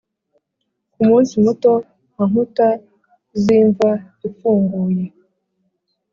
kumunsi muto nka nkuta z'imva ifunguye